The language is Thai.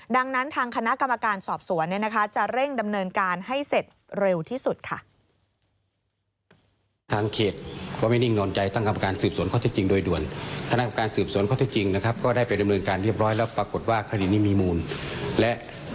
ดังนั้นทางคณะกรรมการสอบสวนจะเร่งดำเนินการให้เสร็จเร็วที่สุดค่ะ